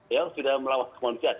ya sudah melawan kemanusiaan